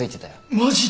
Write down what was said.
マジで！？